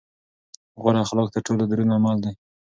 غوره اخلاق تر ټولو دروند عمل دی.